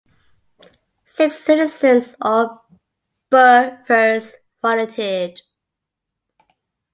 Six citizens, or "burghers," volunteered.